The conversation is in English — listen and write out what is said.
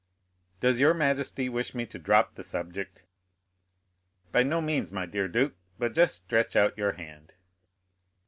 "Does your majesty wish me to drop the subject?" "By no means, my dear duke; but just stretch out your hand."